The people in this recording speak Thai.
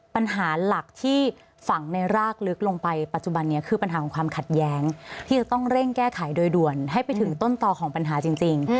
ปัญหาหลักที่ฝังในรากลึกลงไปปัจจุบันนี้คือปัญหาของความขัดแย้งที่จะต้องเร่งแก้ไขโดยด่วนให้ไปถึงต้นต่อของปัญหาจริง